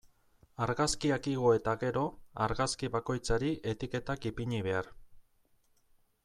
Argazkiak igo eta gero, argazki bakoitzari etiketak ipini behar.